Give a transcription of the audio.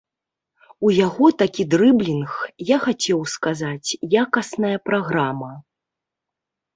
У яго такі дрыблінг, я хацеў сказаць якасная праграма.